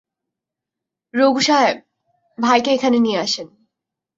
রঘু সাহেব, ভাইকে এখানে নিয়ে আসেন।